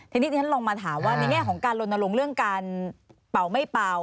ทีนี้ที่ฉันลองมาถามว่าในแง่ของการลนลงเรื่องการเป่าไม่เป่า